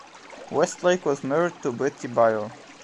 Westlake was married to Betty Bier.